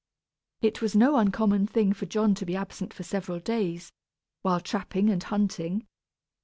It was no uncommon thing for John to be absent for several days, while trapping and hunting.